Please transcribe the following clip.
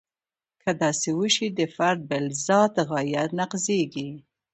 که داسې وشي د فرد بالذات غایه نقضیږي.